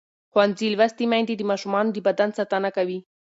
ښوونځې لوستې میندې د ماشومانو د بدن ساتنه کوي.